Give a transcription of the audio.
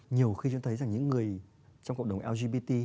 nhiều khi chúng thấy rằng những người trong cộng đồng lgbt